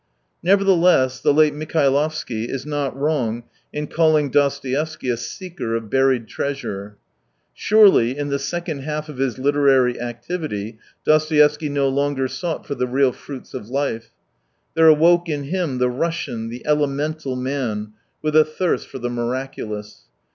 Nevertheless, the late Mikhailovsky is not wrong in calling Dostoevsky a seeker of buried treasure. Surely, in the second half of his literary activity Dostoevsky no longer sought for the real fruits of life. There awoke in him the Russian, the elemental man, with a thirst for the miraculou s.